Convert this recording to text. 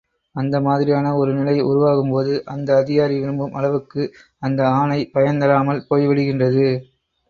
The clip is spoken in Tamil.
அந்த மாதிரியான ஒரு நிலை உருவாகும் போது, அந்த அதிகாரி விரும்பும் அளவுக்கு அந்த ஆணை பயன்தராமல் போய்விடுகின்றது.